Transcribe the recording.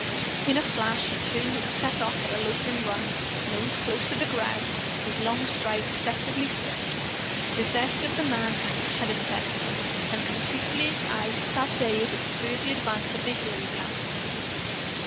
In a flash he turned and set off at a loping run, nose close to ground, his long stride deceptively swift. The zest of the man hunt had obsessed him, as completely as, that day, it had spurred the advance of the "Here We Comes."